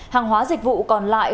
hàng hóa dịch vụ còn lại